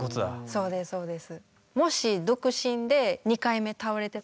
そうですそうです。